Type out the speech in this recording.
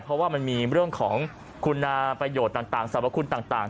เพราะว่ามันมีเรื่องของคุณประโยชน์ต่างสรรพคุณต่าง